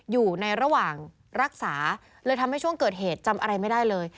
อยู่ในระหว่างรักษาเลยทำให้ช่วงเกิดเหตุจำอะไรไม่ได้เลย